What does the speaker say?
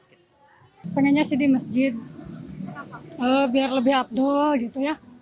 pengennya sih di masjid biar lebih abdul gitu ya